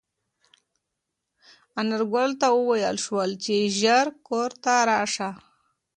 انارګل ته وویل شول چې ژر کور ته راشي.